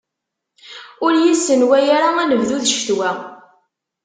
Ur iyi-ssenway ara anebdu d ccetwa!